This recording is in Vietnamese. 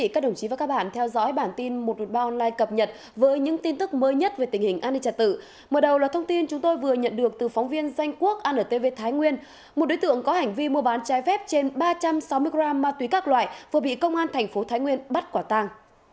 các bạn hãy đăng kí cho kênh lalaschool để không bỏ lỡ những video hấp dẫn